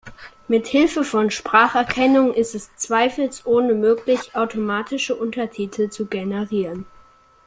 Mithilfe von Spracherkennung ist es zweifelsohne möglich, automatische Untertitel zu generieren.